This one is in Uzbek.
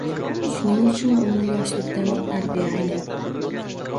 Shuning uchun uni yoshlikdanoq tarbiya aylang.